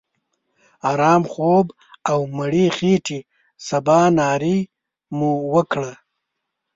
آرام خوب او مړې خېټې سباناري مو وکړه.